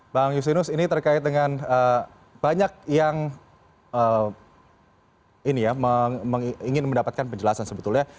bang justinus ini terkait dengan banyak yang ingin mendapatkan penjelasan sebetulnya